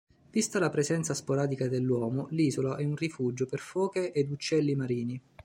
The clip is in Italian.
Vista la presenza sporadica dell'uomo, l'isola è un rifugio per foche ed uccelli marini.